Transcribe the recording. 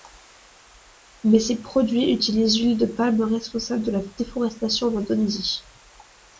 Mais ses produits utilisent l'huile de palme responsable de la déforestation en Indonésie.